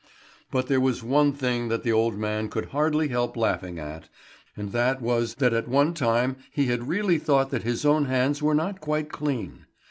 But there was one thing that the old man could hardly help laughing at, and that was that at one time he had really thought that his own hands were not quite clean.